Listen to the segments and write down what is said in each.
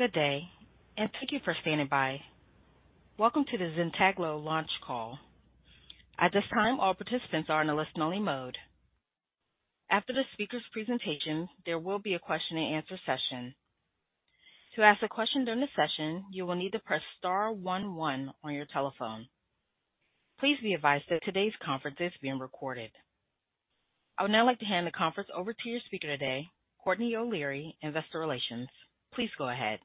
Good day, and thank you for standing by. Welcome to the ZYNTEGLO launch call. At this time, all participants are in a listen only mode. After the speaker's presentation, there will be a question-and-answer session. To ask a question during the session, you will need to press star one one on your telephone. Please be advised that today's conference is being recorded. I would now like to hand the conference over to your speaker today, Courtney O'Leary, Investor Relations. Please go ahead.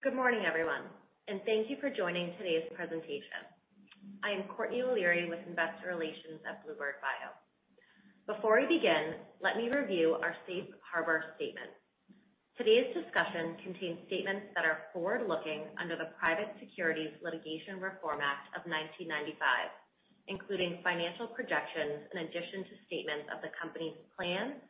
Good morning, everyone, and thank you for joining today's presentation. I am Courtney O'Leary with Investor Relations at bluebird bio. Before we begin, let me review our safe harbor statement. Today's discussion contains statements that are forward-looking under the Private Securities Litigation Reform Act of 1995, including financial projections in addition to statements of the company's plans,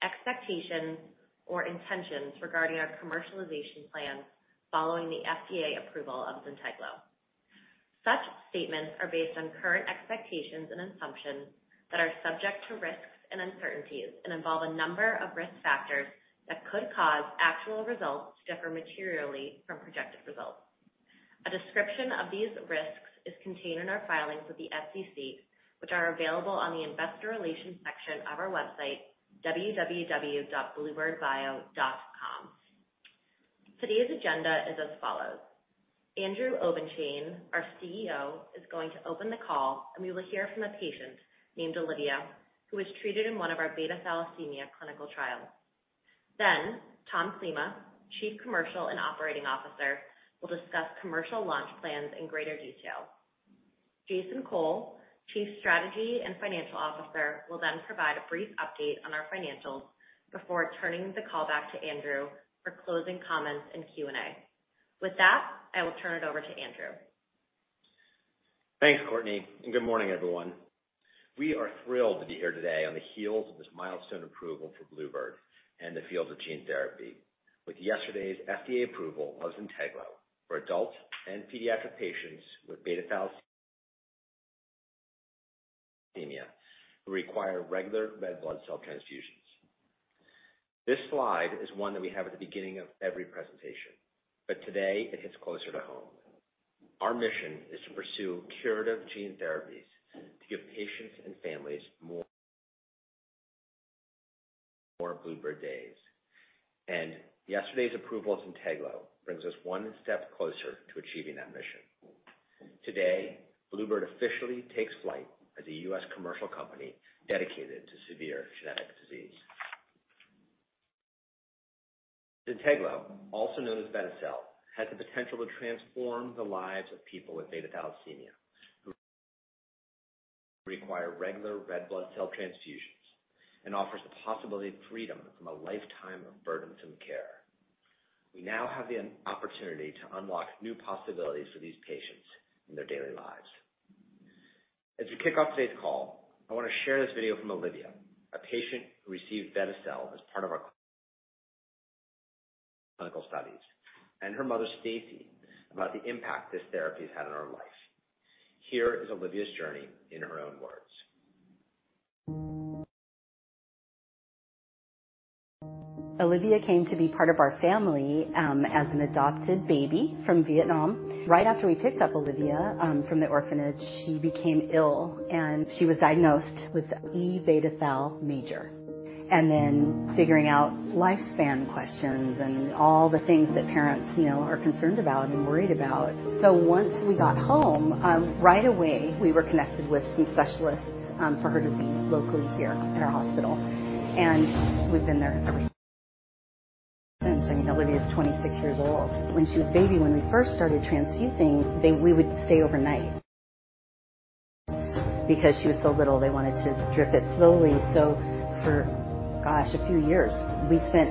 expectations, or intentions regarding our commercialization plans following the FDA approval of ZYNTEGLO. Such statements are based on current expectations and assumptions that are subject to risks and uncertainties and involve a number of risk factors that could cause actual results to differ materially from projected results. A description of these risks is contained in our filings with the SEC, which are available on the investor relations section of our website, www.bluebirdbio.com. Today's agenda is as follows. Andrew Obenshain, our CEO, is going to open the call, and we will hear from a patient named Olivia who was treated in one of our beta thalassemia clinical trials. Tom Klima, Chief Commercial and Operating Officer, will discuss commercial launch plans in greater detail. Jason Cole, Chief Strategy and Financial Officer, will then provide a brief update on our financials before turning the call back to Andrew for closing comments and Q&A. With that, I will turn it over to Andrew. Thanks, Courtney, and good morning everyone. We are thrilled to be here today on the heels of this milestone approval for bluebird bio and the field of gene therapy. With yesterday's FDA approval of ZYNTEGLO for adults and pediatric patients with beta thalassemia who require regular red blood cell transfusions. This slide is one that we have at the beginning of every presentation, but today it hits closer to home. Our mission is to pursue curative gene therapies to give patients and families more, more Bluebird days. Yesterday's approval of ZYNTEGLO brings us one step closer to achieving that mission. Today, bluebird bio officially takes flight as a U.S. commercial company dedicated to severe genetic disease. ZYNTEGLO, also known as betibeglogene autotemcel, has the potential to transform the lives of people with beta thalassemia who require regular red blood cell transfusions and offers the possibility of freedom from a lifetime of burdensome care. We now have the opportunity to unlock new possibilities for these patients in their daily lives. As we kick off today's call, I want to share this video from Olivia, a patient who received betibeglogene autotemcel as part of our clinical studies, and her mother, Stacy, about the impact this therapy has had on her life. Here is Olivia's journey in her own words. Olivia came to be part of our family, as an adopted baby from Vietnam. Right after we picked up Olivia, from the orphanage, she became ill and she was diagnosed with E beta thalassemia major. Figuring out lifespan questions and all the things that parents, you know, are concerned about and worried about. Once we got home, right away, we were connected with some specialists, for her disease locally here at our hospital. We've been there ever since. I mean, Olivia is 26 years old. When she was a baby, when we first started transfusing, we would stay overnight because she was so little. They wanted to drip it slowly. For, gosh, a few years, we spent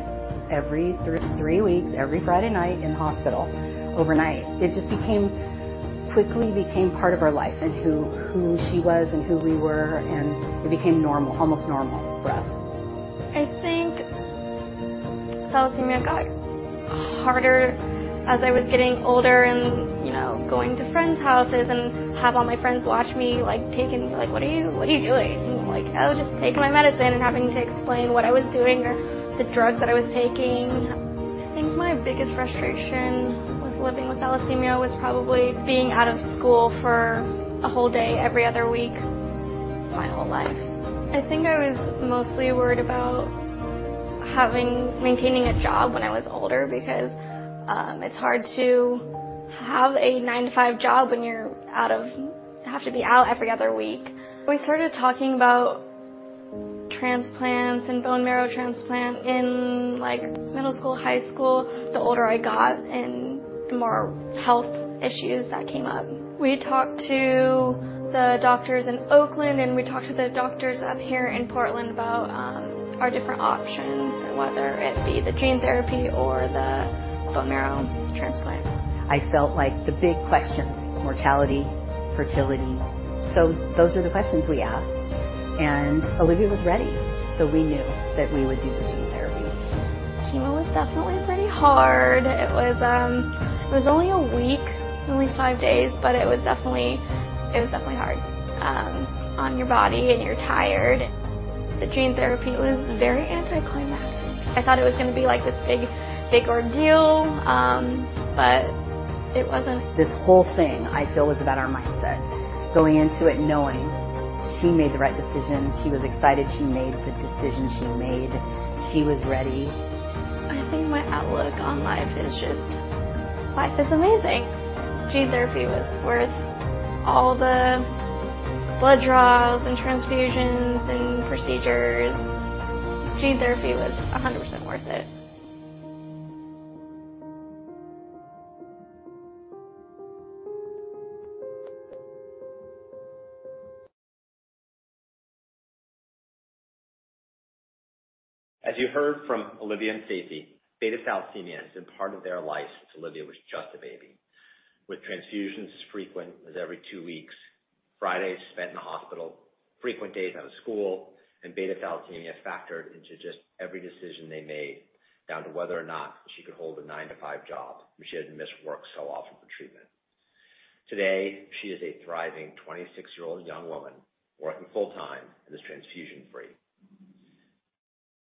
every three weeks, every Friday night in the hospital overnight. It just quickly became part of our life and who she was and who we were, and it became normal, almost normal for us. I think thalassemia got harder as I was getting older and, you know, going to friends' houses and have all my friends watch me like pick and be like, "What are you doing?" I'm like, "Oh, just taking my medicine." Having to explain what I was doing or the drugs that I was taking. I think my biggest frustration with living with thalassemia was probably being out of school for a whole day every other week my whole life. I think I was mostly worried about maintaining a job when I was older because it's hard to have a nine-to-five job when you have to be out every other week. We started talking about transplants and bone marrow transplant in like middle school, high school, the older I got, and the more health issues that came up. We talked to the doctors in Oakland, and we talked to the doctors up here in Portland about our different options, whether it be the gene therapy or the bone marrow transplant. I felt like the big questions, mortality, fertility. Those are the questions we asked, and Olivia was ready. We knew that we would do the gene therapy. Hard. It was only a week, only five days, but it was definitely hard on your body, and you're tired. The gene therapy was very anticlimactic. I thought it was gonna be like this big ordeal, but it wasn't. This whole thing, I feel, is about our mindset. Going into it knowing she made the right decision. She was excited she made the decision she made. She was ready. I think my outlook on life is just, life is amazing. Gene therapy was worth all the blood draws, and transfusions, and procedures. Gene therapy was 100% worth it. As you heard from Olivia and Stacy, beta thalassemia has been part of their life since Olivia was just a baby. With transfusions as frequent as every two weeks, Fridays spent in the hospital, frequent days out of school, and beta thalassemia factored into just every decision they made, down to whether or not she could hold a nine-to-five job if she hadn't missed work so often for treatment. Today, she is a thriving 26-year-old young woman working full-time and is transfusion-free.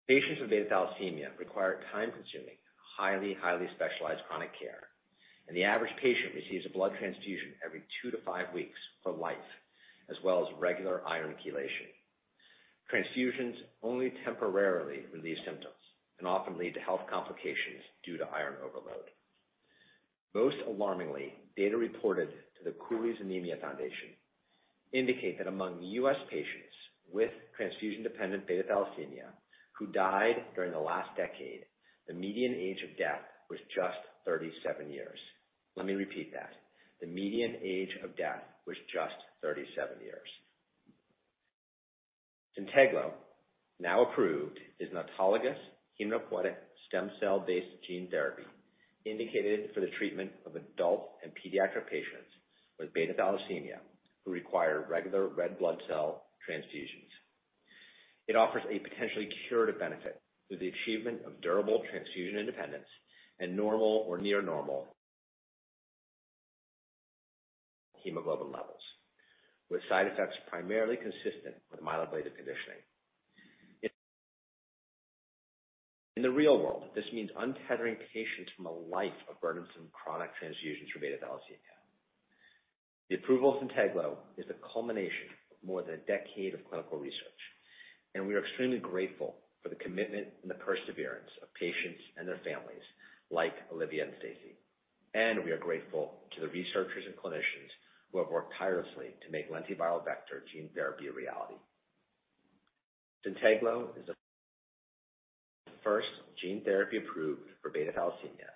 Patients with beta thalassemia require time-consuming, highly specialized chronic care, and the average patient receives a blood transfusion every two to five weeks for life, as well as regular iron chelation. Transfusions only temporarily relieve symptoms and often lead to health complications due to iron overload. Most alarmingly, data reported to the Cooley's Anemia Foundation indicate that among U.S. patients with transfusion-dependent beta thalassemia who died during the last decade, the median age of death was just 37 years. Let me repeat that. The median age of death was just 37 years. ZYNTEGLO, now approved, is an autologous hematopoietic stem cell-based gene therapy indicated for the treatment of adult and pediatric patients with beta thalassemia who require regular red blood cell transfusions. It offers a potentially curative benefit through the achievement of durable transfusion independence and normal or near normal hemoglobin levels, with side effects primarily consistent with myeloablative conditioning. In the real world, this means untethering patients from a life of burdensome chronic transfusions for beta thalassemia. The approval of ZYNTEGLO is a culmination of more than a decade of clinical research, and we are extremely grateful for the commitment and the perseverance of patients and their families like Olivia and Stacy. We are grateful to the researchers and clinicians who have worked tirelessly to make lentiviral vector gene therapy a reality. ZYNTEGLO is the first gene therapy approved for beta thalassemia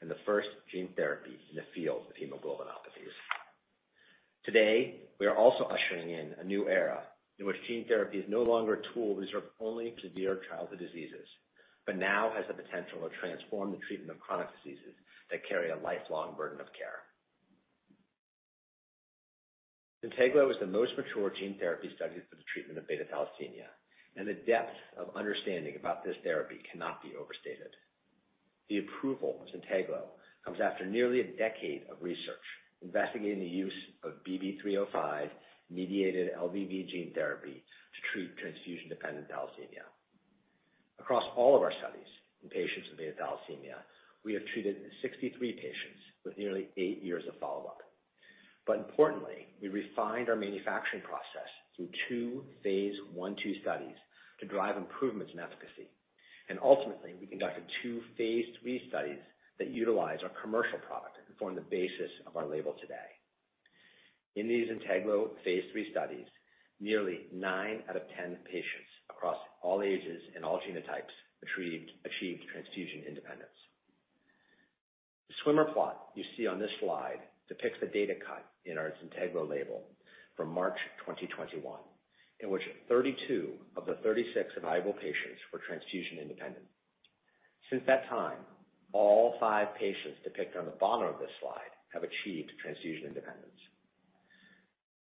and the first gene therapy in the field of hemoglobinopathies. Today, we are also ushering in a new era in which gene therapy is no longer a tool reserved only for severe childhood diseases, but now has the potential to transform the treatment of chronic diseases that carry a lifelong burden of care. ZYNTEGLO is the most mature gene therapy studied for the treatment of beta thalassemia, and the depth of understanding about this therapy cannot be overstated. The approval of ZYNTEGLO comes after nearly a decade of research investigating the use of BB305 mediated LVV gene therapy to treat transfusion-dependent thalassemia. Across all of our studies in patients with beta thalassemia, we have treated 63 patients with nearly eight years of follow-up. Importantly, we refined our manufacturing process through two phase 1/2 studies to drive improvements in efficacy. Ultimately, we conducted two phase III studies that utilize our commercial product and form the basis of our label today. In these ZYNTEGLO phase III studies, nearly nine out of 10 patients across all ages and all genotypes achieved transfusion independence. The swimmer plot you see on this slide depicts the data cut in our ZYNTEGLO label from March 2021, in which 32 of the 36 viable patients were transfusion independent. Since that time, all five patients depicted on the bottom of this slide have achieved transfusion independence.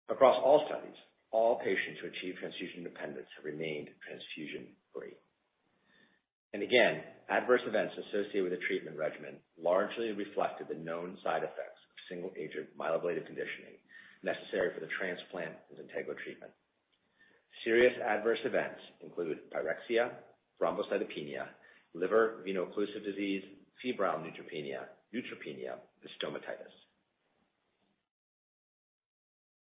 Across all studies, all patients who achieved transfusion independence have remained transfusion-free. Again, adverse events associated with the treatment regimen largely reflected the known side effects of single-agent myeloablative conditioning necessary for the transplant with ZYNTEGLO treatment. Serious adverse events include pyrexia, thrombocytopenia, liver veno-occlusive disease, febrile neutropenia, and stomatitis.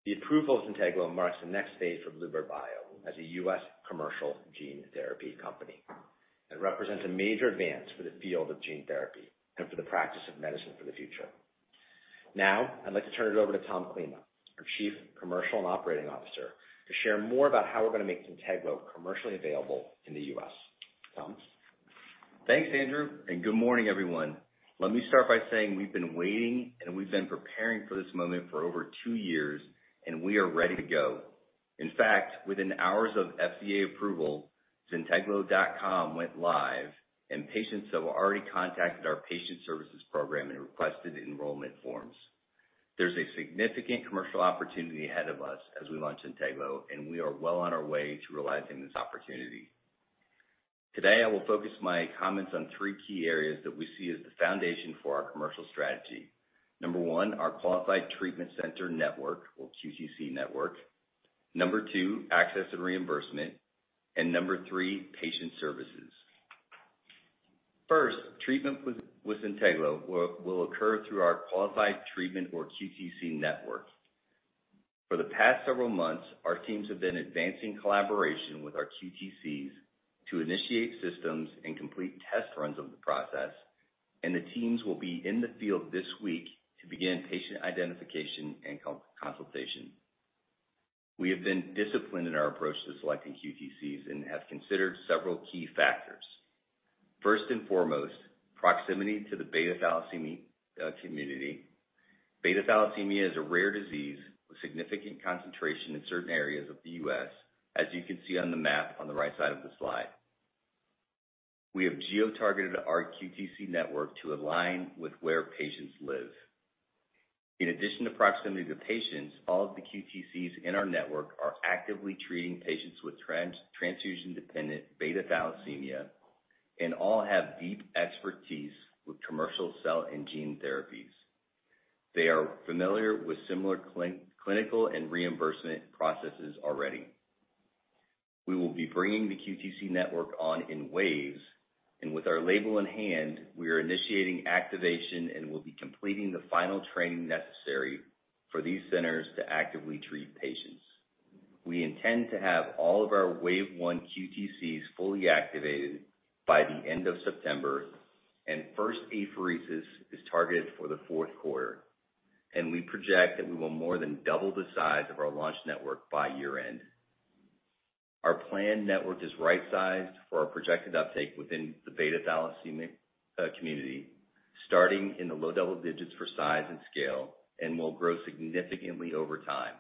The approval of ZYNTEGLO marks the next phase for bluebird bio as a U.S. commercial gene therapy company and represents a major advance for the field of gene therapy and for the practice of medicine for the future. Now, I'd like to turn it over to Thomas Klima, our Chief Commercial and Operating Officer, to share more about how we're gonna make ZYNTEGLO commercially available in the U.S. Tom? Thanks, Andrew, and good morning, everyone. Let me start by saying we've been waiting, and we've been preparing for this moment for over two years, and we are ready to go. In fact, within hours of FDA approval, Zynteglo.com went live, and patients have already contacted our patient services program and requested enrollment forms. There's a significant commercial opportunity ahead of us as we launch Zynteglo, and we are well on our way to realizing this opportunity. Today, I will focus my comments on three key areas that we see as the foundation for our commercial strategy. Number one, our qualified treatment center network or QTC network. Number two, access and reimbursement. Number three, patient services. First, treatment with Zynteglo will occur through our qualified treatment or QTC network. For the past several months, our teams have been advancing collaboration with our QTCs to initiate systems and complete test runs of the process, and the teams will be in the field this week to begin patient identification and consultation. We have been disciplined in our approach to selecting QTCs and have considered several key factors. First and foremost, proximity to the beta thalassemia community. Beta thalassemia is a rare disease with significant concentration in certain areas of the U.S., as you can see on the map on the right side of the slide. We have geo-targeted our QTC network to align with where patients live. In addition to proximity to patients, all of the QTCs in our network are actively treating patients with transfusion-dependent beta thalassemia, and all have deep expertise with commercial cell and gene therapies. They are familiar with similar clinical and reimbursement processes already. We will be bringing the QTC network on in waves, and with our label in hand, we are initiating activation and will be completing the final training necessary for these centers to actively treat patients. We intend to have all of our wave one QTCs fully activated by the end of September, and first apheresis is targeted for the fourth quarter, and we project that we will more than double the size of our launch network by year-end. Our planned network is right-sized for our projected uptake within the beta thalassemia community, starting in the low double digits for size and scale and will grow significantly over time.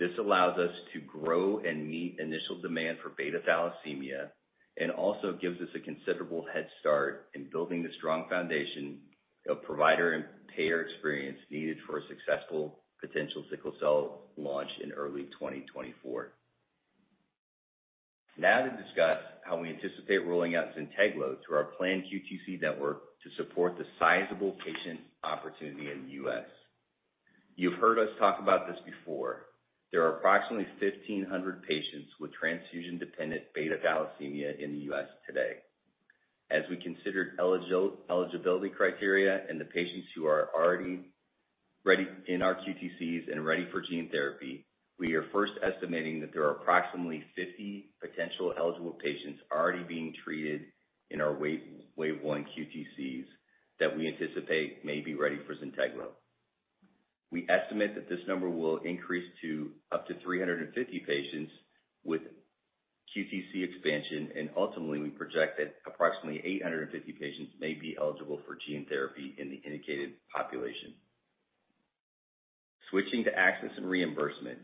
This allows us to grow and meet initial demand for beta thalassemia and also gives us a considerable head start in building the strong foundation of provider and payer experience needed for a successful potential sickle cell launch in early 2024. Now to discuss how we anticipate rolling out ZYNTEGLO through our planned QTC network to support the sizable patient opportunity in the U.S. You've heard us talk about this before. There are approximately 1,500 patients with transfusion-dependent beta thalassemia in the US today. As we considered eligibility criteria in the patients who are already ready in our QTCs and ready for gene therapy, we are first estimating that there are approximately 50 potential eligible patients already being treated in our wave one QTCs that we anticipate may be ready for ZYNTEGLO. We estimate that this number will increase to up to 350 patients with QTC expansion, and ultimately, we project that approximately 850 patients may be eligible for gene therapy in the indicated population. Switching to access and reimbursement.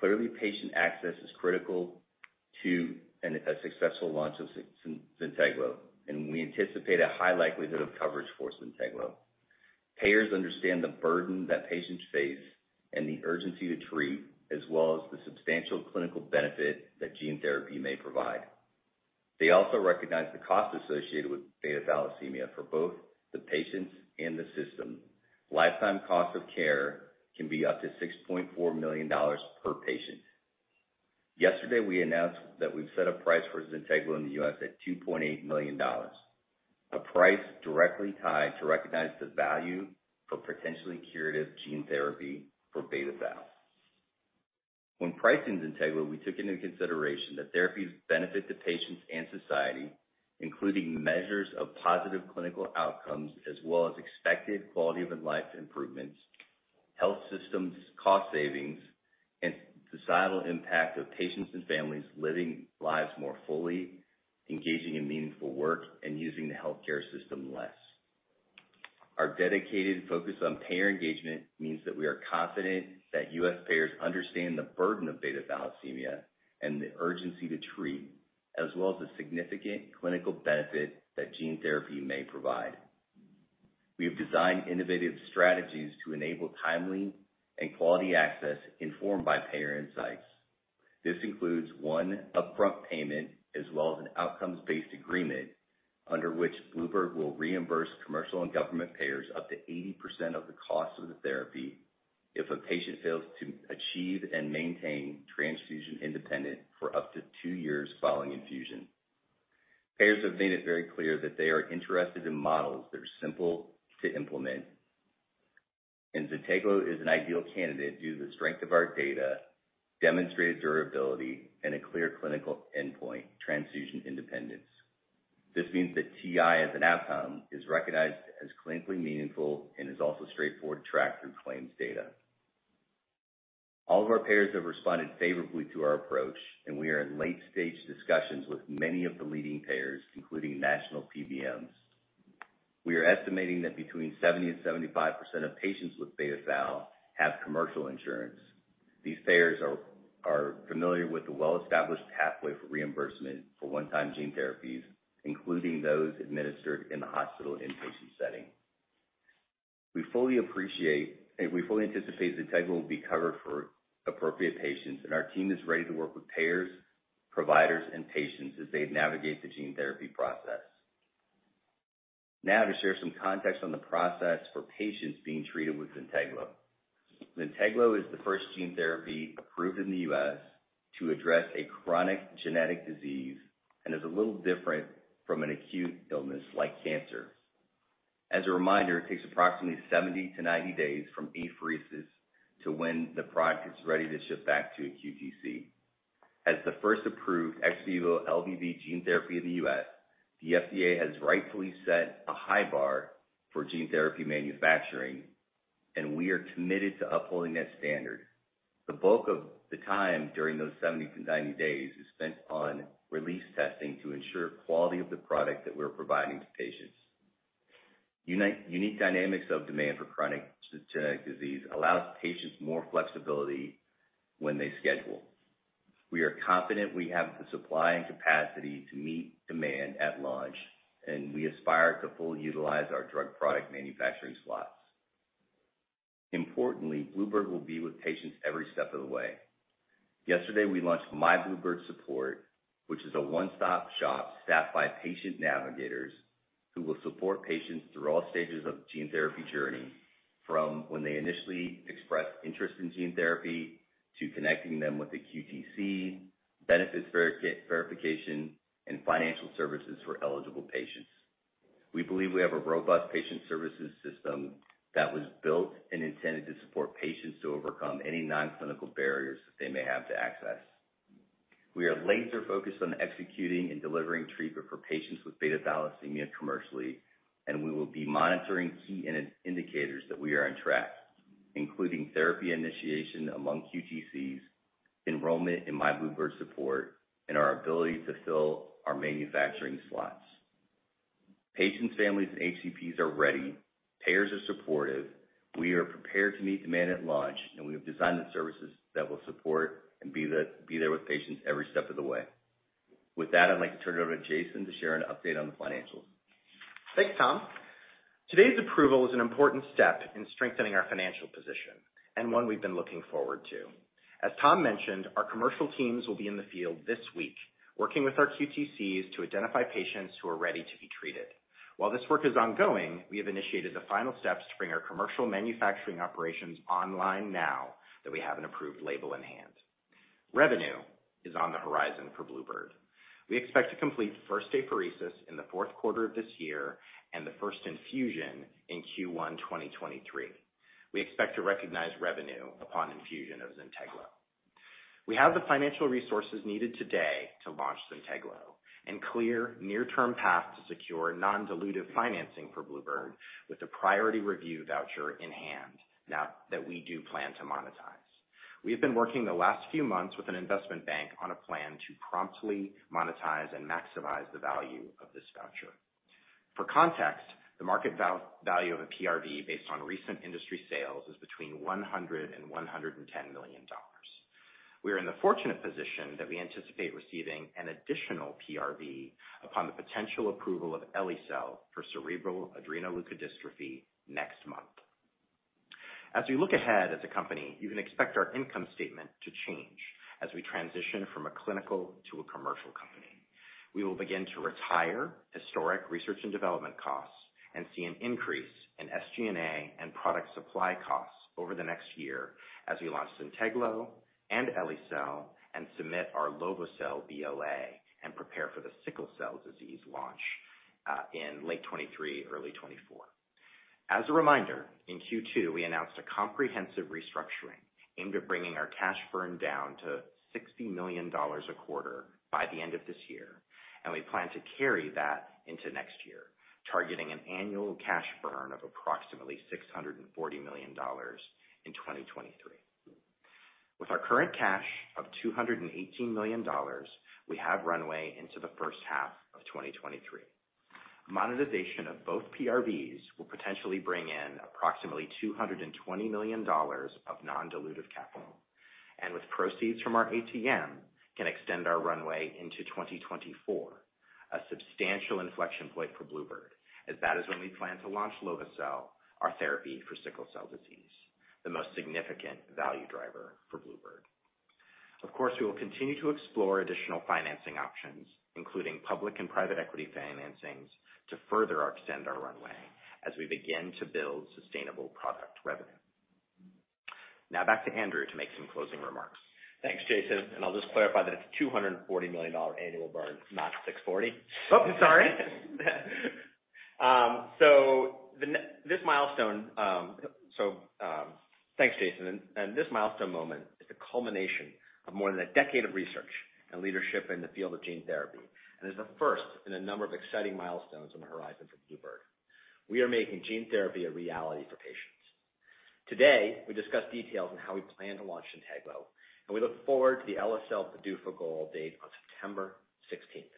Clearly, patient access is critical to a successful launch of ZYNTEGLO, and we anticipate a high likelihood of coverage for ZYNTEGLO. Payers understand the burden that patients face and the urgency to treat, as well as the substantial clinical benefit that gene therapy may provide. They also recognize the cost associated with beta thalassemia for both the patients and the system. Lifetime cost of care can be up to $6.4 million per patient. Yesterday, we announced that we've set a price for ZYNTEGLO in the U.S. at $2.8 million, a price directly tied to recognize the value for potentially curative gene therapy for beta thalassemia. When pricing ZYNTEGLO, we took into consideration the therapy's benefit to patients and society, including measures of positive clinical outcomes as well as expected quality of life improvements, health systems cost savings, and societal impact of patients and families living lives more fully, engaging in meaningful work, and using the healthcare system less. Our dedicated focus on payer engagement means that we are confident that U.S. payers understand the burden of beta thalassemia and the urgency to treat, as well as the significant clinical benefit that gene therapy may provide. We have designed innovative strategies to enable timely and quality access informed by payer insights. This includes one upfront payment as well as an outcomes-based agreement under which bluebird bio will reimburse commercial and government payers up to 80% of the cost of the therapy if a patient fails to achieve and maintain transfusion independence for up to two years following infusion. Payers have made it very clear that they are interested in models that are simple to implement, and ZYNTEGLO is an ideal candidate due to the strength of our data, demonstrated durability, and a clear clinical endpoint, transfusion independence. This means that TI as an outcome is recognized as clinically meaningful and is also straightforward to track through claims data. All of our payers have responded favorably to our approach, and we are in late-stage discussions with many of the leading payers, including national PBMs. We are estimating that between 70% and 75% of patients with beta thal have commercial insurance. These payers are familiar with the well-established pathway for reimbursement for one-time gene therapies, including those administered in the hospital inpatient setting. We fully appreciate, and we fully anticipate ZYNTEGLO will be covered for appropriate patients, and our team is ready to work with payers, providers, and patients as they navigate the gene therapy process. Now to share some context on the process for patients being treated with ZYNTEGLO. ZYNTEGLO is the first gene therapy approved in the U.S. to address a chronic genetic disease, and is a little different from an acute illness like cancer. As a reminder, it takes approximately 70 to 90 days from apheresis to when the product is ready to ship back to a QTC. As the first approved ex vivo LVV gene therapy in the U.S., the FDA has rightfully set a high bar for gene therapy manufacturing, and we are committed to upholding that standard. The bulk of the time during those 70-90 days is spent on release testing to ensure quality of the product that we're providing to patients. Unique dynamics of demand for chronic genetic disease allows patients more flexibility when they schedule. We are confident we have the supply and capacity to meet demand at launch, and we aspire to fully utilize our drug product manufacturing slots. Importantly, bluebird bio will be with patients every step of the way. Yesterday, we launched My Bluebird Support, which is a one-stop shop staffed by patient navigators who will support patients through all stages of gene therapy journey, from when they initially express interest in gene therapy to connecting them with the QTC, benefits verification, and financial services for eligible patients. We believe we have a robust patient services system that was built and intended to support patients to overcome any non-clinical barriers that they may have to access. We are laser-focused on executing and delivering treatment for patients with beta thalassemia commercially, and we will be monitoring key indicators that we are on track, including therapy initiation among QTCs, enrollment in My Bluebird Support, and our ability to fill our manufacturing slots. Patients, families, and HCPs are ready. Payers are supportive. We are prepared to meet demand at launch, and we have designed the services that will support and be there with patients every step of the way. With that, I'd like to turn it over to Jason to share an update on the financials. Thanks, Tom. Today's approval is an important step in strengthening our financial position and one we've been looking forward to. As Tom mentioned, our commercial teams will be in the field this week working with our QTCs to identify patients who are ready to be treated. While this work is ongoing, we have initiated the final steps to bring our commercial manufacturing operations online now that we have an approved label in hand. Revenue is on the horizon for bluebird bio. We expect to complete first apheresis in the fourth quarter of this year and the first infusion in Q1 2023. We expect to recognize revenue upon infusion of Zynteglo. We have the financial resources needed today to launch Zynteglo and clear near-term path to secure non-dilutive financing for bluebird bio with the priority review voucher in hand now that we do plan to monetize. We have been working the last few months with an investment bank on a plan to promptly monetize and maximize the value of this voucher. For context, the market value of a PRV based on recent industry sales is between $100 million and $110 million. We are in the fortunate position that we anticipate receiving an additional PRV upon the potential approval of eli-cel for cerebral adrenoleukodystrophy next month. As we look ahead as a company, you can expect our income statement to change as we transition from a clinical to a commercial company. We will begin to retire historic research and development costs and see an increase in SG&A and product supply costs over the next year as we launch ZYNTEGLO and eli-cel and submit our lovo-cel BLA and prepare for the sickle cell disease launch in late 2023, early 2024. As a reminder, in Q2, we announced a comprehensive restructuring aimed at bringing our cash burn down to $60 million a quarter by the end of this year, and we plan to carry that into next year, targeting an annual cash burn of approximately $640 million in 2023. With our current cash of $218 million, we have runway into the first half of 2023. Monetization of both PRVs will potentially bring in approximately $220 million of non-dilutive capital, and with proceeds from our ATM, can extend our runway into 2024, a substantial inflection point for bluebird bio, as that is when we plan to launch lovo-cel, our therapy for sickle cell disease, the most significant value driver for bluebird bio. Of course, we will continue to explore additional financing options, including public and private equity financings, to further extend our runway as we begin to build sustainable product revenue. Now back to Andrew to make some closing remarks. Thanks, Jason, and I'll just clarify that it's $240 million annual burn, not $640. Oh, sorry. Thanks, Jason. This milestone moment is a culmination of more than a decade of research and leadership in the field of gene therapy, and is the first in a number of exciting milestones on the horizon for bluebird. We are making gene therapy a reality for patients. Today, we discussed details on how we plan to launch ZYNTEGLO, and we look forward to the SKYSONA PDUFA goal date on September sixteenth.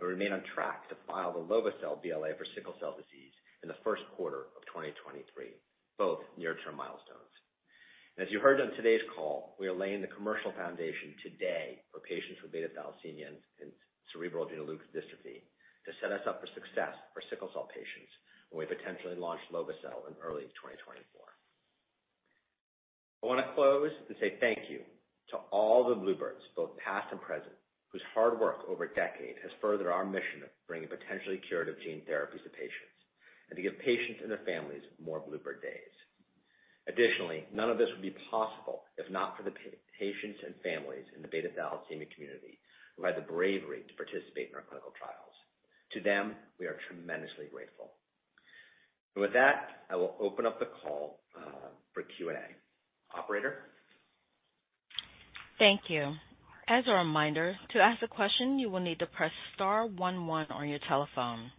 We remain on track to file the lovo-cel BLA for sickle cell disease in the first quarter of 2023, both near-term milestones. As you heard on today's call, we are laying the commercial foundation today for patients with beta thalassemia and cerebral adrenoleukodystrophy to set us up for success for sickle cell patients when we potentially launch lovo-cel in early 2024. I wanna close to say thank you to all the Bluebirds, both past and present, whose hard work over a decade has furthered our mission of bringing potentially curative gene therapies to patients and to give patients and their families more Bluebird days. Additionally, none of this would be possible if not for the patients and families in the beta thalassemia community who had the bravery to participate in our clinical trials. To them, we are tremendously grateful. With that, I will open up the call for Q&A. Operator? Thank you. As a reminder, to ask a question, you will need to press star one one on your telephone.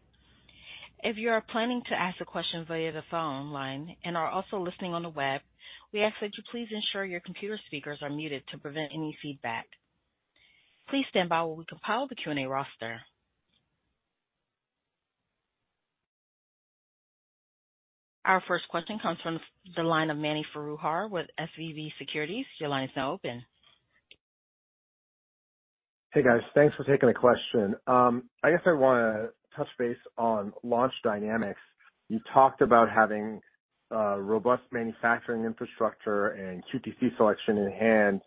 If you are planning to ask a question via the phone line and are also listening on the web, we ask that you please ensure your computer speakers are muted to prevent any feedback. Please stand by while we compile the Q&A roster. Our first question comes from the line of Mani Foroohar with SVB Securities. Your line is now open. Hey, guys. Thanks for taking the question. I guess I wanna touch base on launch dynamics. You talked about having a robust manufacturing infrastructure and QTC selection in hand.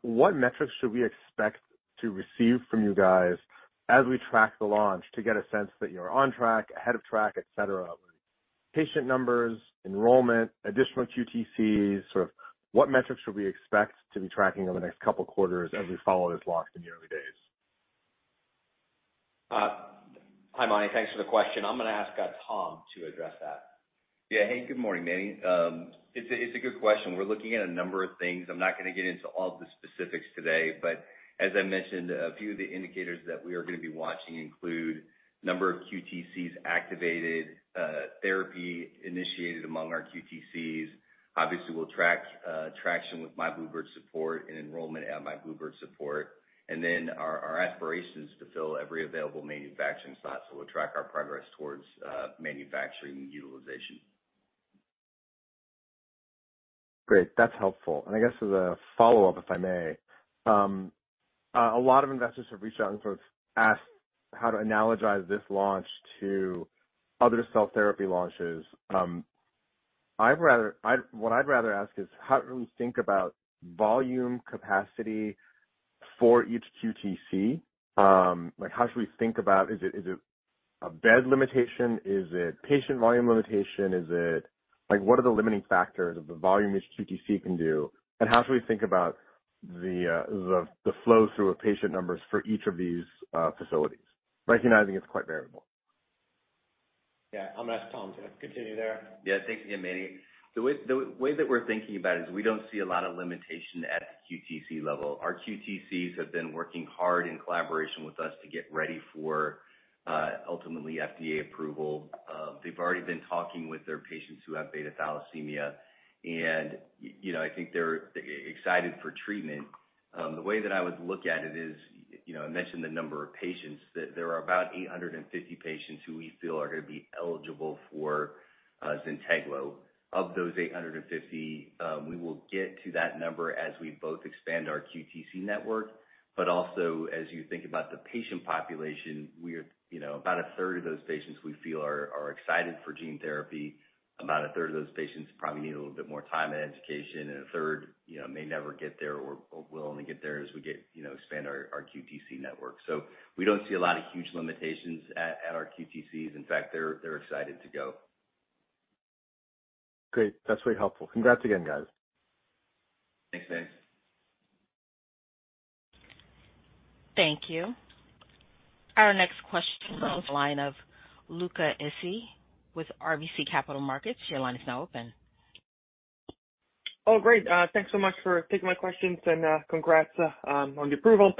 What metrics should we expect to receive from you guys as we track the launch to get a sense that you're on track, ahead of track, et cetera? Patient numbers, enrollment, additional QTC, sort of what metrics should we expect to be tracking over the next couple quarters as we follow this launch in the early days? Hi, Mani. Thanks for the question. I'm gonna ask Tom to address that. Yeah. Hey, good morning, Mani. It's a good question. We're looking at a number of things. I'm not gonna get into all the specifics today, but as I mentioned, a few of the indicators that we are gonna be watching include number of QTCs activated, therapy initiated among our QTCs. Obviously, we'll track traction with my bluebird support and enrollment at my bluebird support. Our aspiration is to fill every available manufacturing slot, so we'll track our progress towards manufacturing utilization. Great. That's helpful. I guess as a follow-up, if I may, a lot of investors have reached out and sort of asked how to analogize this launch to other cell therapy launches. What I'd rather ask is, how do we think about volume capacity for each QTC? Like, how should we think about... Is it a bed limitation? Is it patient volume limitation? Like, what are the limiting factors of the volume each QTC can do, and how should we think about the flow through of patient numbers for each of these facilities, recognizing it's quite variable? Yeah. I'm gonna ask Tom to continue there. Yeah. Thanks again, Mani. The way that we're thinking about it is we don't see a lot of limitation at the QTC level. Our QTCs have been working hard in collaboration with us to get ready for ultimately FDA approval. They've already been talking with their patients who have beta thalassemia and you know, I think they're excited for treatment. The way that I would look at it is, you know, I mentioned the number of patients, that there are about 850 patients who we feel are gonna be eligible for ZYNTEGLO. Of those 850, we will get to that number as we both expand our QTC network, but also as you think about the patient population. We're, you know, about a third of those patients we feel are excited for gene therapy, about a third of those patients probably need a little bit more time and education, and a third, you know, may never get there or will only get there as we expand our QTC network. We don't see a lot of huge limitations at our QTCs. In fact, they're excited to go. Great. That's really helpful. Congrats again, guys. Thanks, Mani. Thank you. Our next question comes from the line of Luca Issi with RBC Capital Markets. Your line is now open. Oh, great. Thanks so much for taking my questions and, congrats, on the approval.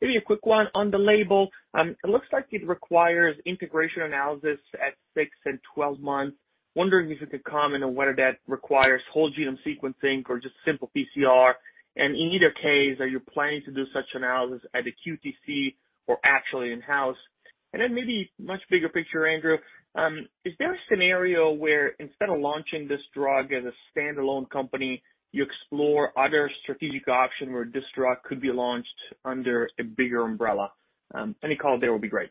Maybe a quick one on the label. It looks like it requires integration analysis at six and 12 months. Wondering if you could comment on whether that requires whole genome sequencing or just simple PCR. In either case, are you planning to do such analysis at a QTC or actually in-house? Then maybe much bigger picture, Andrew, is there a scenario where instead of launching this drug as a standalone company, you explore other strategic option where this drug could be launched under a bigger umbrella? Any color there will be great.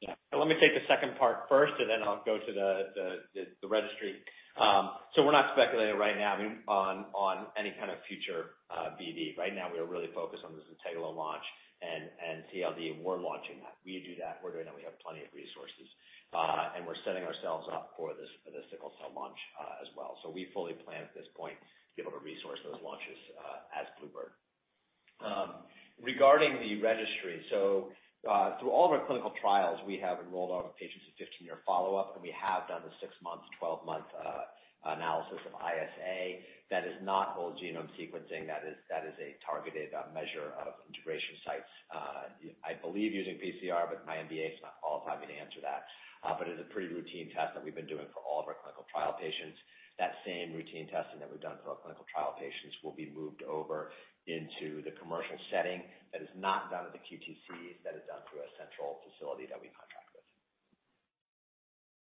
Yeah. Let me take the second part first, and then I'll go to the registry. We're not speculating right now on any kind of future BD. Right now, we are really focused on the ZYNTEGLO launch and CALD. We're launching that. We do that. We're doing that. We have plenty of resources. We're setting ourselves up for the sickle cell launch as well. We fully plan at this point to be able to resource those launches as Bluebird. Regarding the registry, through all of our clinical trials, we have enrolled all the patients in 15-year follow-up, and we have done the six-month, 12-month analysis of ISA. That is not whole genome sequencing. That is a targeted measure of integration sites, I believe using PCR, but my MBA does not qualify me to answer that. It is a pretty routine test that we've been doing for all of our clinical trial patients. That same routine testing that we've been doing for our clinical trial patients will be moved over into the commercial setting. That is not done at the QTCs. That is done through a central facility that we contract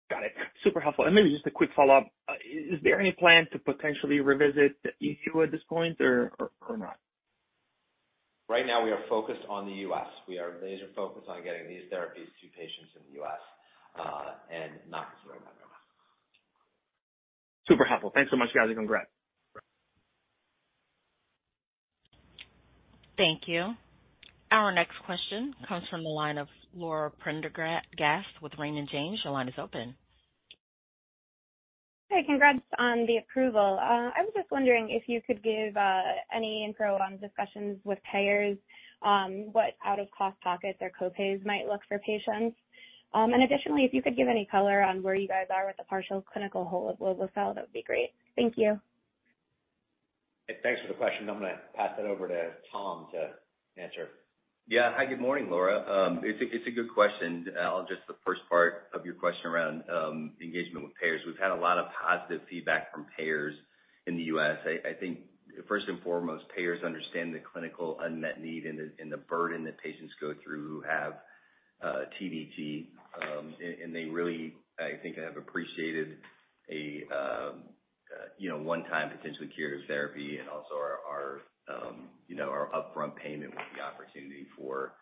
with. Got it. Super helpful. Maybe just a quick follow-up. Is there any plan to potentially revisit the EU at this point or not? Right now we are focused on the U.S. We are laser focused on getting these therapies to patients in the U.S., and not considering that right now. Super helpful. Thanks so much, guys, and congrats. Thank you. Our next question comes from the line of Laura Prendergast with Raymond James. Your line is open. Hey, congrats on the approval. I was just wondering if you could give any info on discussions with payers, what out-of-pocket costs or co-pays might look like for patients. Additionally, if you could give any color on where you guys are with the partial clinical hold of lovo-cel, that would be great. Thank you. Thanks for the question. I'm gonna pass that over to Tom to answer. Yeah. Hi. Good morning, Laura. It's a good question. The first part of your question around engagement with payers. We've had a lot of positive feedback from payers in the U.S. I think first and foremost, payers understand the clinical unmet need and the burden that patients go through who have TDT. And they really, I think, have appreciated a you know one time potentially curative therapy and also our you know our upfront payment with the opportunity for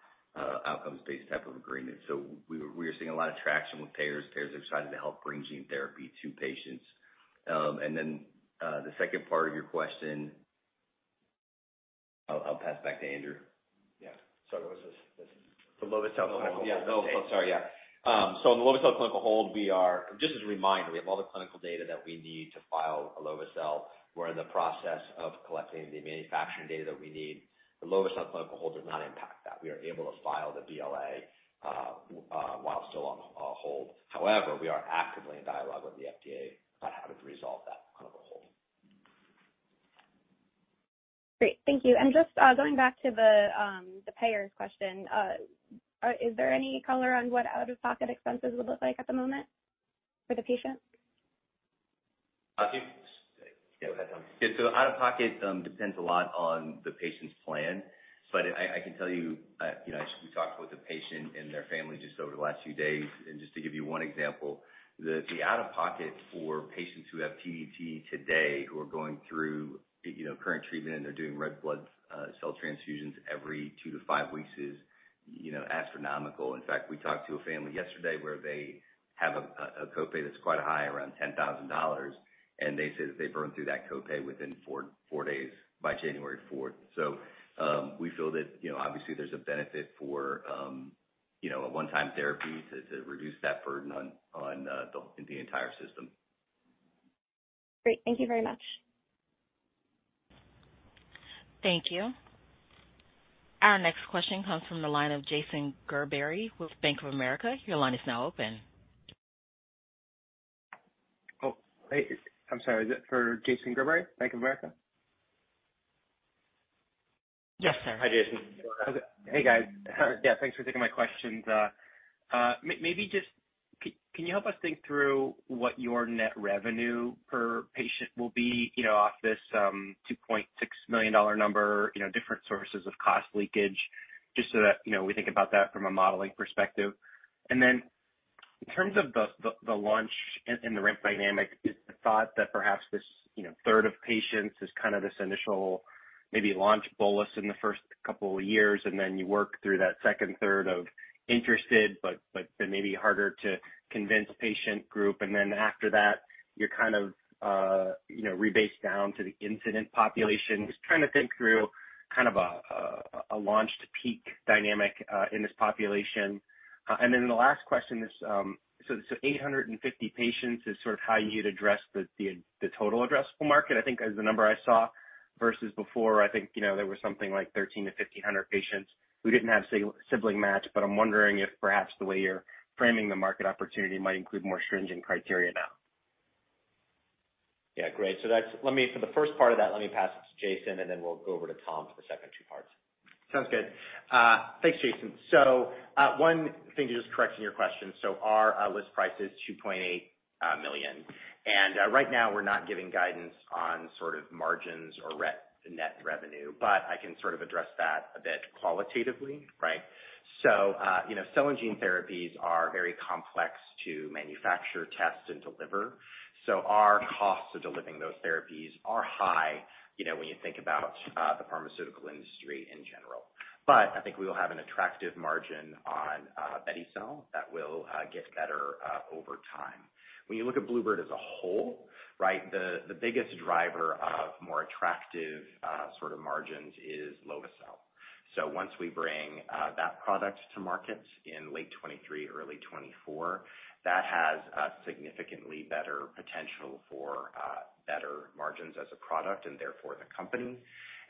outcomes-based type of agreement. So we are seeing a lot of traction with payers. Payers are excited to help bring gene therapy to patients. And then the second part of your question. I'll pass back to Andrew. Yeah. Sorry, what was this? The lovo-cel clinical hold. On the lovotibeglogene autotemcel clinical hold. Just as a reminder, we have all the clinical data that we need to file a lovotibeglogene autotemcel. We're in the process of collecting the manufacturing data that we need. The lovotibeglogene autotemcel clinical hold does not impact that. We are able to file the BLA while still on hold. However, we are actively in dialogue with the FDA about how to resolve that clinical hold. Great. Thank you. Just going back to the payers question, is there any color on what out-of-pocket expenses would look like at the moment for the patient? I think. Yeah, go ahead, Tom. Yeah. Out-of-pocket, depends a lot on the patient's plan. I can tell you know, as we talked with a patient and their family just over the last few days, and just to give you one example, the out-of-pocket for patients who have TDT today who are going through current treatment, and they're doing red blood cell transfusions every two to five weeks is, you know, astronomical. In fact, we talked to a family yesterday where they have a co-pay that's quite high, around $10,000, and they said that they burned through that co-pay within four days by January fourth. We feel that, you know, obviously there's a benefit for, you know, a one-time therapy to reduce that burden on the entire system. Great. Thank you very much. Thank you. Our next question comes from the line of Jason Gerberry with Bank of America. Your line is now open. Oh, hey. I'm sorry. Is it for Jason Gerberry, Bank of America? Yes, sir. Hi, Jason. Hey, guys. Yeah, thanks for taking my questions. Maybe just can you help us think through what your net revenue per patient will be, you know, off this $2.6 million number, you know, different sources of cost leakage, just so that, you know, we think about that from a modeling perspective. In terms of the launch and the ramp dynamic, is the thought that perhaps this, you know, third of patients is kind of this initial maybe launch bolus in the first couple of years, and then you work through that second third of interested but then maybe harder to convince patient group, and then after that, you're kind of, you know, rebase down to the incidence population. Just trying to think through kind of a launch to peak dynamic in this population. The last question is 850 patients is sort of how you'd address the total addressable market, I think is the number I saw, versus before, I think, you know, there was something like 1,300-1,500 patients who didn't have sibling match. I'm wondering if perhaps the way you're framing the market opportunity might include more stringent criteria now. Yeah, great. Let me, for the first part of that, let me pass it to Jason, and then we'll go over to Tom for the second two parts. Sounds good. Thanks, Jason. One thing to just correct in your question, so our list price is $2.8 million. Right now we're not giving guidance on sort of margins or net revenue, but I can sort of address that a bit qualitatively, right? You know, cell and gene therapies are very complex to manufacture, test, and deliver. Our costs of delivering those therapies are high, you know, when you think about the pharmaceutical industry in general. I think we will have an attractive margin on Beti-cel that will get better over time. When you look at bluebird bio as a whole, right, the biggest driver of more attractive sort of margins is lovo. Once we bring that product to market in late 2023, early 2024, that has a significantly better potential for better margins as a product and therefore the company.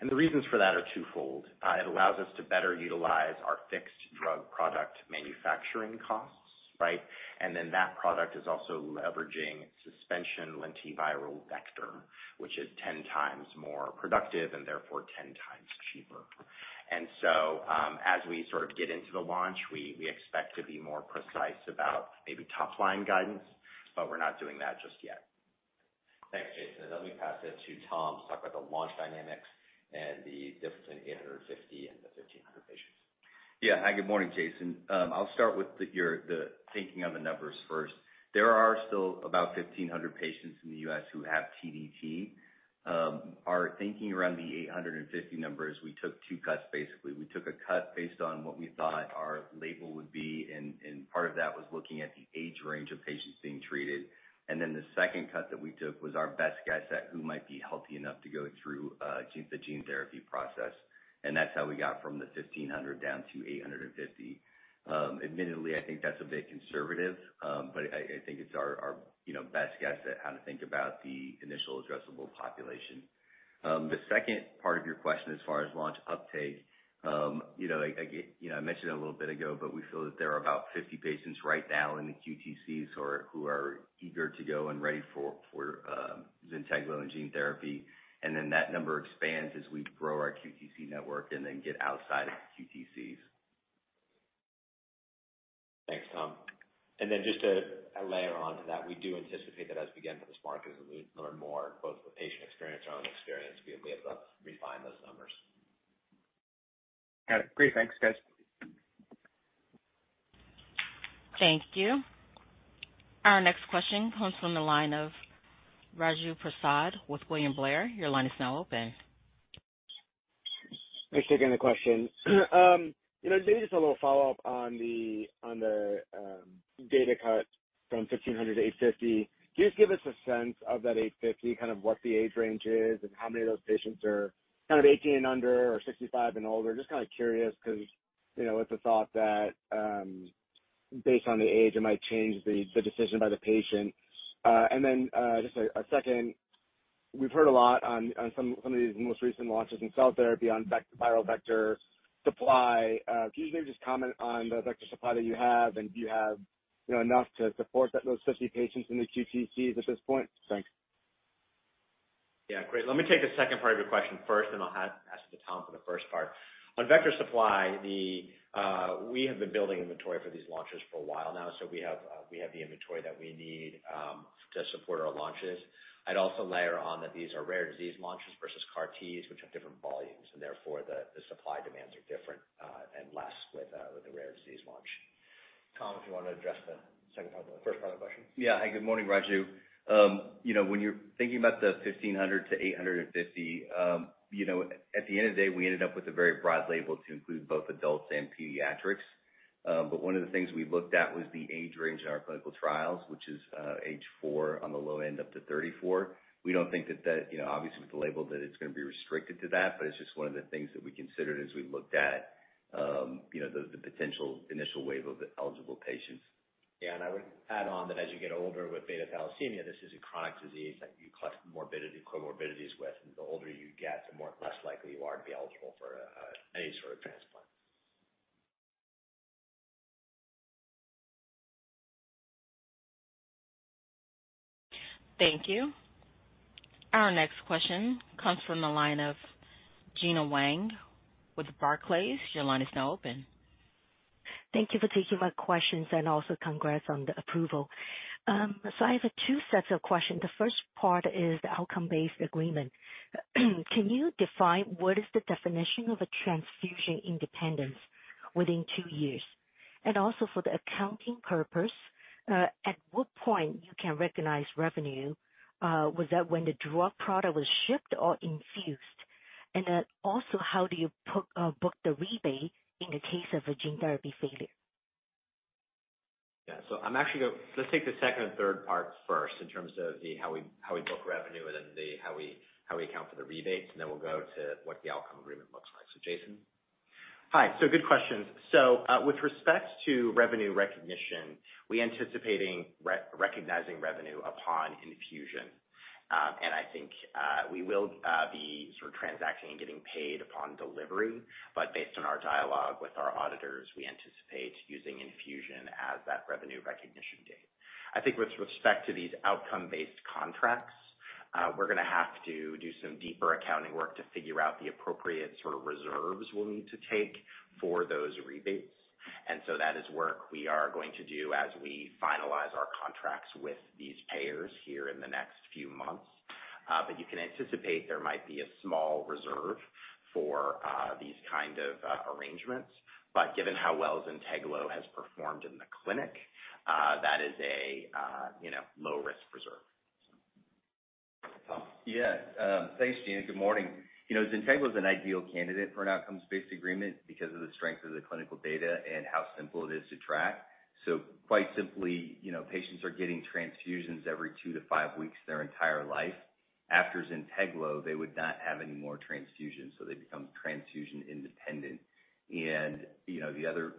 The reasons for that are twofold. It allows us to better utilize our fixed drug product manufacturing costs, right? Then that product is also leveraging suspension lentiviral vector, which is 10 times more productive and therefore 10 times cheaper. As we sort of get into the launch, we expect to be more precise about maybe top-line guidance, but we're not doing that just yet. Thanks, Jason. Let me pass it to Tom to talk about the launch dynamics and the difference in 850 and the 1,500 patients. Yeah. Hi, good morning, Jason. I'll start with your thinking of the numbers first. There are still about 1,500 patients in the U.S. who have TDT. Our thinking around the 850 numbers, we took two cuts, basically. We took a cut based on what we thought our label would be, and part of that was looking at the age range of patients being treated. Then the second cut that we took was our best guess at who might be healthy enough to go through the gene therapy process. That's how we got from the 1,500 down to 850. Admittedly, I think that's a bit conservative, but I think it's our, you know, best guess at how to think about the initial addressable population. The second part of your question, as far as launch uptake, you know, I get. You know, I mentioned it a little bit ago, but we feel that there are about 50 patients right now in the QTCs or who are eager to go and ready for ZYNTEGLO gene therapy. That number expands as we grow our QTC network and then get outside of the QTCs. Thanks, Tom. Just to layer on to that, we do anticipate that as we get into this market, as we learn more, both the patient experience and our own experience, we'll be able to refine those numbers. Got it. Great. Thanks, guys. Thank you. Our next question comes from the line of Raju Prasad with William Blair. Your line is now open. Thanks for taking the question. You know, maybe just a little follow-up on the data cut from 1500 to 850. Can you just give us a sense of that 850, kind of what the age range is and how many of those patients are kind of 18 and under or 65 and older? Just kind of curious because, you know, it's a thought that based on the age, it might change the decision by the patient. And then just a second. We've heard a lot on some of these most recent launches in cell therapy on viral vector supply. Can you maybe just comment on the vector supply that you have, and do you have, you know, enough to support those 50 patients in the QTCs at this point? Thanks. Yeah, great. Let me take the second part of your question first, and I'll pass it to Tom for the first part. On vector supply, we have been building inventory for these launches for a while now. So we have the inventory that we need to support our launches. I'd also layer on that these are rare disease launches versus CAR-Ts, which have different volumes, and therefore, the supply demands are different, and less with the rare disease launch. Tom, if you wanna address the second part of the first part of the question. Yeah. Hi, good morning, Raju. You know, when you're thinking about the 1,500-850, you know, at the end of the day, we ended up with a very broad label to include both adults and pediatrics. One of the things we looked at was the age range in our clinical trials, which is age four on the low end up to 34. We don't think that, you know, obviously with the label that it's gonna be restricted to that, but it's just one of the things that we considered as we looked at, you know, the potential initial wave of the eligible patients. Yeah, I would add on that as you get older with beta thalassemia, this is a chronic disease that you collect morbidity, comorbidities with, and the older you get, the more or less likely you are to be eligible for any sort of transplant. Thank you. Our next question comes from the line of Gena Wang with Barclays. Your line is now open. Thank you for taking my questions and also congrats on the approval. I have two sets of questions. The first part is the outcome-based agreement. Can you define what is the definition of a transfusion independence within two years? And also for the accounting purpose, at what point you can recognize revenue, was that when the drug product was shipped or infused? And also, how do you book the rebate in the case of a gene therapy failure? Yeah. Let's take the second and third parts first in terms of how we book revenue and then how we account for the rebates, and then we'll go to what the outcome agreement looks like. Jason. Good questions. With respect to revenue recognition, we anticipate recognizing revenue upon infusion. I think we will be sort of transacting and getting paid upon delivery. Based on our dialogue with our auditors, we anticipate using infusion as that revenue recognition date. I think with respect to these outcome-based contracts, we're gonna have to do some deeper accounting work to figure out the appropriate sort of reserves we'll need to take for those rebates. That is work we are going to do as we finalize our contracts with these payers here in the next few months. You can anticipate there might be a small reserve for these kind of arrangements. Given how well ZYNTEGLO has performed in the clinic, that is a you know, low risk reserve. Tom. Thanks, Gena. Good morning. You know, ZYNTEGLO is an ideal candidate for an outcomes-based agreement because of the strength of the clinical data and how simple it is to track. Quite simply, you know, patients are getting transfusions every two to five weeks their entire life. After ZYNTEGLO, they would not have any more transfusions, so they become transfusion-independent. You know, the other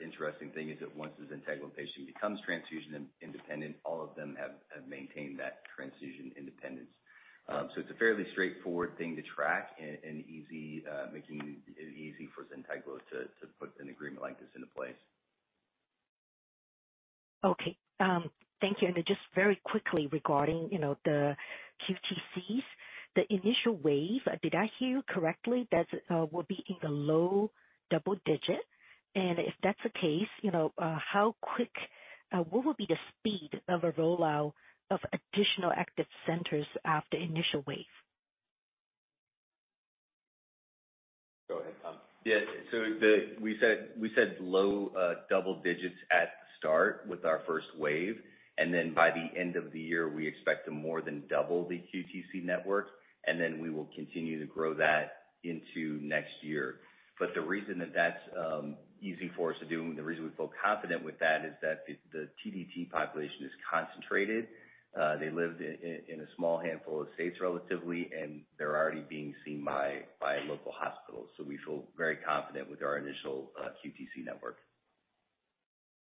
interesting thing is that once the ZYNTEGLO patient becomes transfusion-independent, all of them have maintained that transfusion independence. It's a fairly straightforward thing to track and easy, making it easy for ZYNTEGLO to put an agreement like this into place. Okay. Thank you. Just very quickly regarding, you know, the QTC, the initial wave, did I hear you correctly? That's will be in the low double digit. If that's the case, you know, what will be the speed of a rollout of additional active centers after initial wave? Go ahead, Tom. We said low double digits at start with our first wave. Then by the end of the year, we expect to more than double the QTC network, and then we will continue to grow that into next year. The reason that that's easy for us to do, and the reason we feel confident with that, is that the TDT population is concentrated. They live in a small handful of states, relatively, and they're already being seen by local hospitals. We feel very confident with our initial QTC network.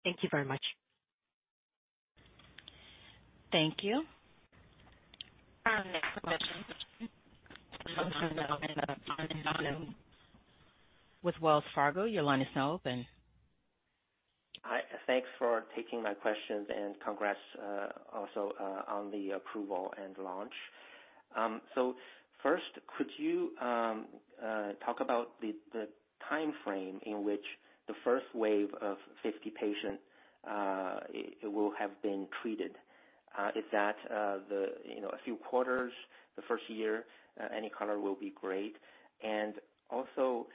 Thank you very much. Thank you. Our next question comes from the line of John Liu with Wells Fargo. Your line is now open. Hi, thanks for taking my questions, and congrats, also, on the approval and launch. First, could you talk about the timeframe in which the first wave of 50 patients will have been treated? Is that, you know, a few quarters, the first year? Any color will be great. Also,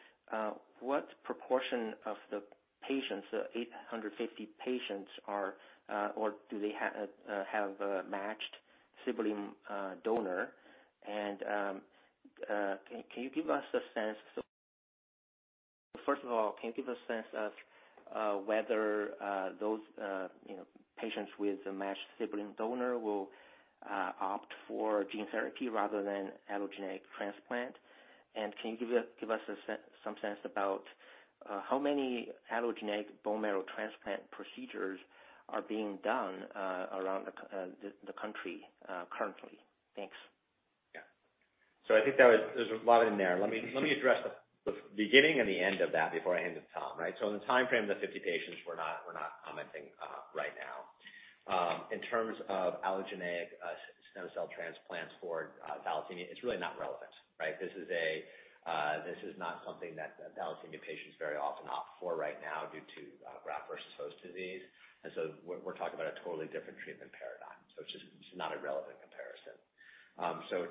what proportion of the patients, the 850 patients are, or do they have, matched sibling donor? First of all, can you give a sense of whether those, you know, patients with a matched sibling donor will opt for gene therapy rather than allogeneic transplant? Can you give us some sense about how many allogeneic bone marrow transplant procedures are being done around the country currently? Thanks. Yeah. I think there was. There's a lot in there. Let me address the beginning and the end of that before I hand to Tom, right? In the timeframe of the 50 patients, we're not commenting right now. In terms of allogeneic stem cell transplants for thalassemia, it's really not relevant, right? This is not something that a thalassemia patient is very often opt for right now due to graft versus host disease. We're talking about a totally different treatment paradigm, so it's just not a relevant comparison.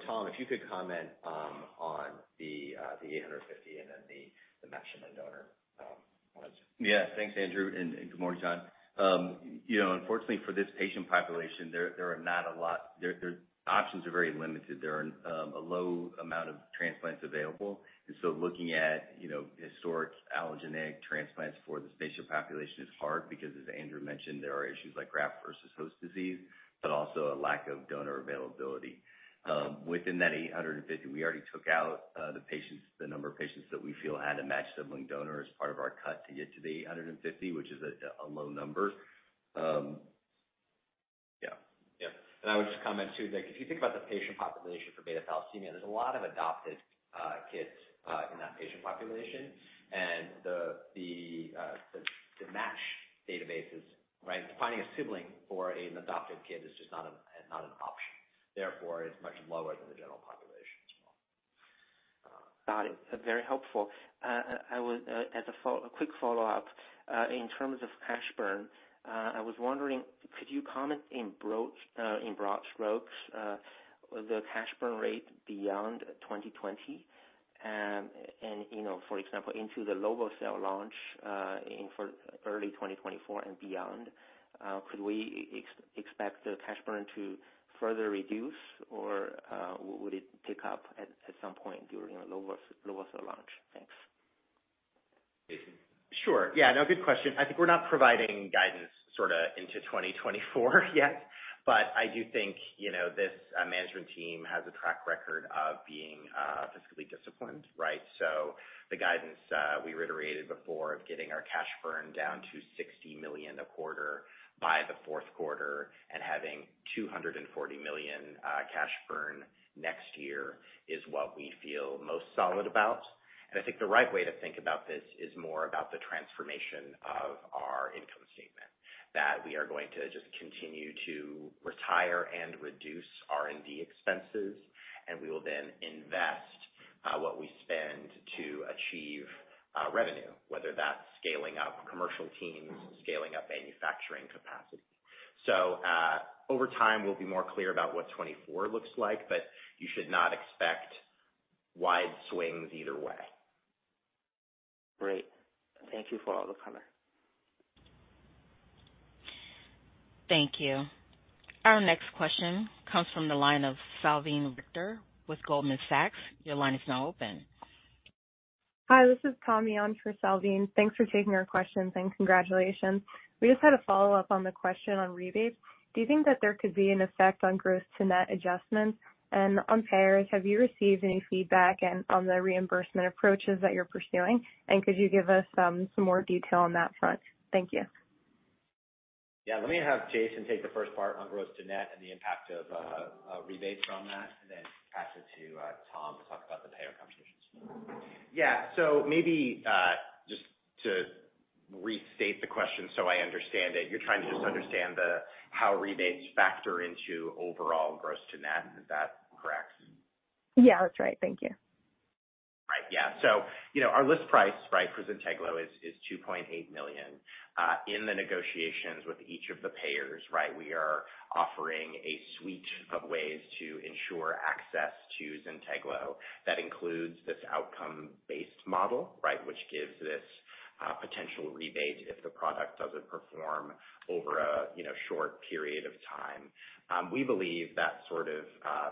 Tom, if you could comment on the 850 and then the matched donor points. Yeah. Thanks, Andrew, and good morning, John. You know, unfortunately for this patient population, there are not a lot. Their options are very limited. There are a low amount of transplants available. Looking at, you know, historic allogeneic transplants for this patient population is hard because, as Andrew mentioned, there are issues like graft versus host disease, but also a lack of donor availability. Within that 850, we already took out the patients, the number of patients that we feel had a matched sibling donor as part of our cut to get to the 850, which is a low number. I would just comment too that if you think about the patient population for beta thalassemia, there's a lot of adopted kids in that patient population. The match database is right. Finding a sibling for an adopted kid is just not an option, therefore is much lower than the general population as well. Got it. Very helpful. I would a quick follow-up in terms of cash burn. I was wondering, could you comment in broad strokes the cash burn rate beyond 2020? You know, for example, into the lovo-cel launch in for early 2024 and beyond, could we expect the cash burn to further reduce or would it pick up at some point during a lovo-cel launch? Thanks. Jason. Sure. Yeah. No, good question. I think we're not providing guidance sorta into 2024 yet. I do think, you know, this management team has a track record of being fiscally disciplined, right? The guidance we reiterated before of getting our cash burn down to $60 million a quarter by the fourth quarter and having $240 million cash burn next year is what we feel most solid about. I think the right way to think about this is more about the transformation of our income statement. That we are going to just continue to retire and reduce R&D expenses, and we will then invest what we spend to achieve revenue, whether that's scaling up commercial teams, scaling up manufacturing capacity. Over time, we'll be more clear about what 2024 looks like, but you should not expect wide swings either way. Great. Thank you for all the color. Thank you. Our next question comes from the line of Salveen Richter with Goldman Sachs. Your line is now open. Hi, this is Tommy on for Salveen. Thanks for taking our questions and congratulations. We just had a follow-up on the question on rebates. Do you think that there could be an effect on gross to net adjustments? On payers, have you received any feedback on the reimbursement approaches that you're pursuing? Could you give us some more detail on that front? Thank you. Yeah. Let me have Jason take the first part on gross to net and the impact of rebates from that, and then pass it to Tom to talk about the payer competitions. Yeah. Maybe, Restate the question so I understand it. You're trying to just understand the how rebates factor into overall gross to net. Is that correct? Yeah, that's right. Thank you. Right. Yeah. You know, our list price, right, for ZYNTEGLO is $2.8 million. In the negotiations with each of the payers, right, we are offering a suite of ways to ensure access to ZYNTEGLO. That includes this outcome-based model, right, which gives this potential rebate if the product doesn't perform over a, you know, short period of time. We believe that sort of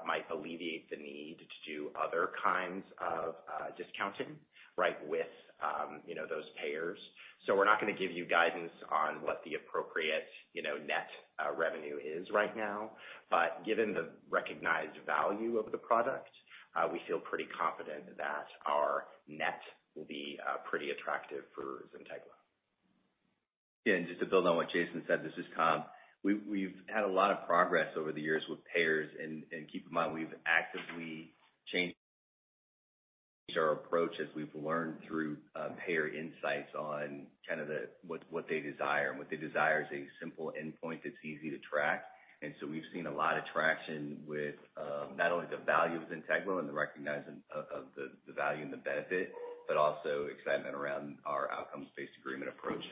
might alleviate the need to do other kinds of discounting, right, with, you know, those payers. We're not gonna give you guidance on what the appropriate, you know, net revenue is right now. Given the recognized value of the product, we feel pretty confident that our net will be pretty attractive for ZYNTEGLO. Yeah, just to build on what Jason said, this is Tom. We've had a lot of progress over the years with payers. Keep in mind, we've actively changed our approach as we've learned through payer insights on what they desire. What they desire is a simple endpoint that's easy to track. We've seen a lot of traction with not only the value of ZYNTEGLO and the recognizing of the value and the benefit, but also excitement around our outcomes-based agreement approach.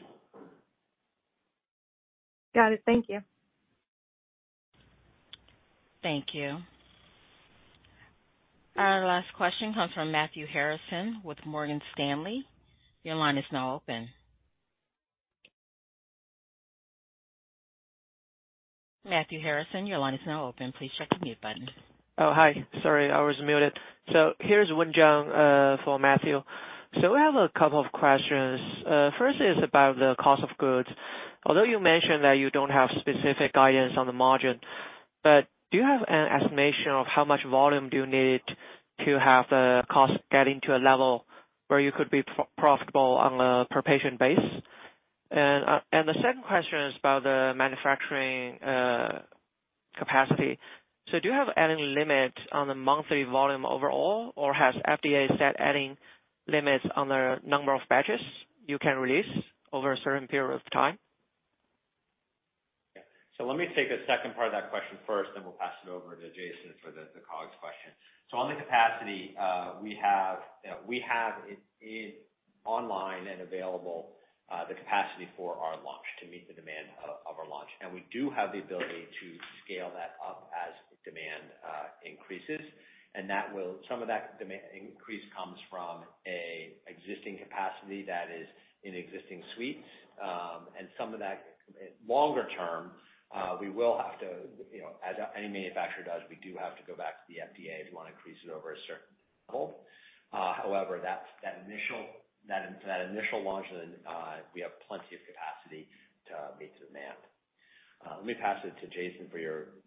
Got it. Thank you. Thank you. Our last question comes from Matthew Harrison with Morgan Stanley. Your line is now open. Matthew Harrison, your line is now open. Please check your mute button. Oh, hi. Sorry, I was muted. Here's Wen Zhang for Matthew. We have a couple of questions. First is about the cost of goods. Although you mentioned that you don't have specific guidance on the margin, but do you have an estimation of how much volume do you need to have the cost getting to a level where you could be profitable on a per-patient basis? And the second question is about the manufacturing capacity. Do you have any limit on the monthly volume overall, or has FDA set any limits on the number of batches you can release over a certain period of time? Yeah. Let me take the second part of that question first, then we'll pass it over to Jason for the COGS question. On the capacity, we have it online and available, the capacity for our launch to meet the demand of our launch. We do have the ability to scale that up as demand increases. Some of that demand increase comes from an existing capacity that is in existing suites. Some of that, longer term, we will have to, you know, as any manufacturer does, we do have to go back to the FDA if you wanna increase it over a certain level. However, that initial launch, we have plenty of capacity to meet demand. Let me pass it to Jason for your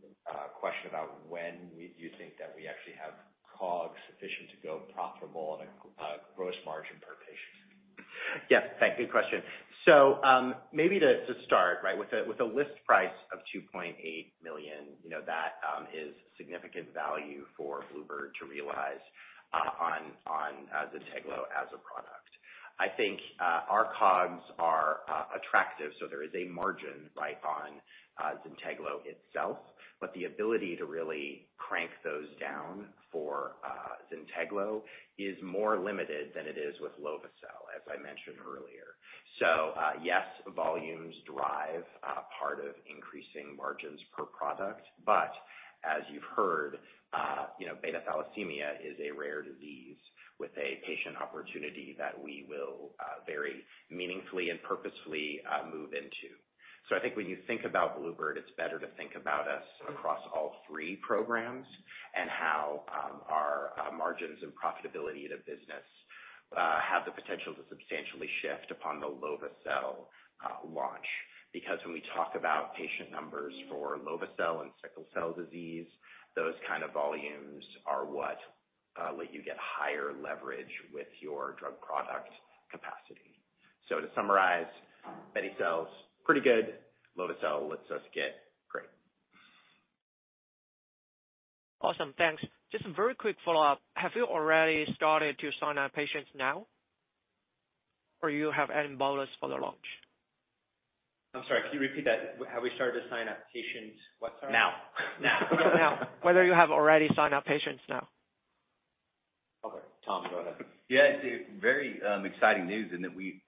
question about when do you think that we actually have COGS sufficient to go profitable on a gross margin per patient. Yes. Thanks. Good question. Maybe to start, right, with a list price of $2.8 million, you know, that is significant value for bluebird bio to realize on ZYNTEGLO as a product. I think our COGS are attractive, so there is a margin, right, on ZYNTEGLO itself. The ability to really crank those down for ZYNTEGLO is more limited than it is with lovo-cel, as I mentioned earlier. Yes, volumes drive part of increasing margins per product. As you've heard, you know, beta thalassemia is a rare disease with a patient opportunity that we will very meaningfully and purposefully move into. I think when you think about bluebird bio, it's better to think about us across all three programs and how our margins and profitability of the business have the potential to substantially shift upon the lovo-cel launch. Because when we talk about patient numbers for lovo-cel and sickle cell disease, those kind of volumes are what let you get higher leverage with your drug product capacity. To summarize, betibeglogene autotemcel, pretty good. Lovo-cel lets us get great. Awesome. Thanks. Just a very quick follow-up. Have you already started to sign up patients now? Or you have any bottlenecks for the launch? I'm sorry, can you repeat that? Have we started to sign up patients, sorry? Now. Now. Now, whether you have already signed up patients now. Okay. Tom, go ahead. It's a very exciting news in that we,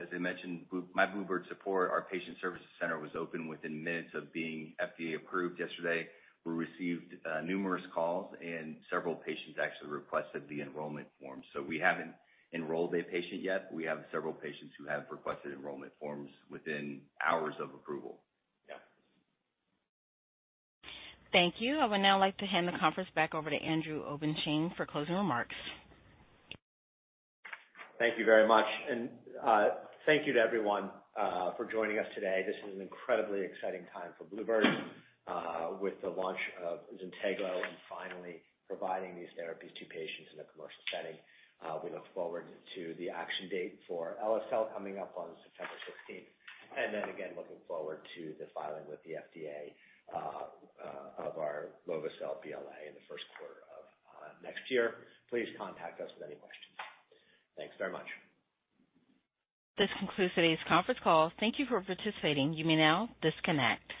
as I mentioned, my bluebird support, our patient services center, was open within minutes of being FDA approved yesterday. We received numerous calls, and several patients actually requested the enrollment form. We haven't enrolled a patient yet. We have several patients who have requested enrollment forms within hours of approval. Yeah. Thank you. I would now like to hand the conference back over to Andrew Obenshain for closing remarks. Thank you very much. Thank you to everyone for joining us today. This is an incredibly exciting time for bluebird bio with the launch of ZYNTEGLO and finally providing these therapies to patients in a commercial setting. We look forward to the action date for SKYSONA coming up on September sixteenth. Looking forward to the filing with the FDA of our lovo-cel BLA in the first quarter of next year. Please contact us with any questions. Thanks very much. This concludes today's conference call. Thank you for participating. You may now disconnect.